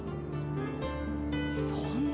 そんな。